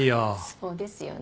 そうですよね。